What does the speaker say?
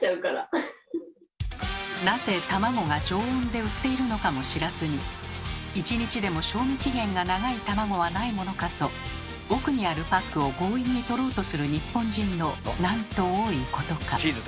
なぜ卵が常温で売っているのかも知らずに１日でも賞味期限が長い卵はないものかと奥にあるパックを強引に取ろうとする日本人のなんと多いことか。